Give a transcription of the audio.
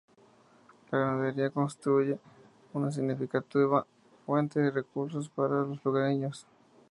La ganadería constituye una significativa fuente de recursos para los lugareños.